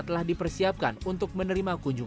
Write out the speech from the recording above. dan keberaturan benar benar keberaturan semua